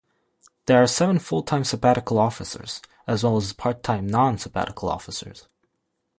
There are seven full-time sabbatical officers, as well as part-time non sabbatical officers.